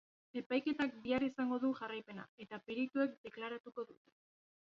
Epaiketak bihar izango du jarraipena eta perituek deklaratuko dute.